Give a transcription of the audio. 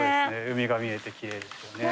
海が見えてきれいですよね。